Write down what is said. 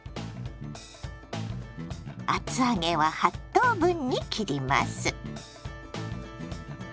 厚揚げは８等分に切ります。